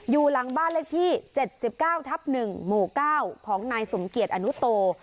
อยู่หลังบ้านเลขที่๗๙ทับ๑หมู่๙ของนายสมเกียจอนุโต